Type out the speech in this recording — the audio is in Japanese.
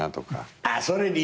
あっそれ理由？